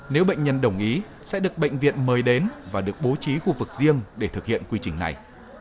nếu bệnh nhân đồng ý sẽ được bệnh viện mời đến và được bố trí khu vực riêng để thực hiện quy trình này